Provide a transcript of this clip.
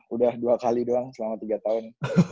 udah dua kali doang selama tiga tahun